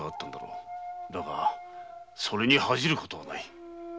だがそれに恥じることはない。